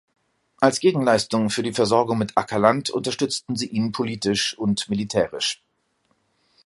Als Gegenleistung für die Versorgung mit Ackerland unterstützten sie ihn politisch und militärisch.